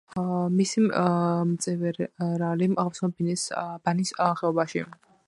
მისი მწვერვალი აღმართულია ბანის ხეობაში.